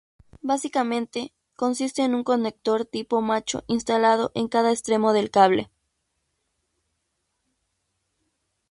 Básicamente, consiste en un conector tipo macho instalado en cada extremo del cable.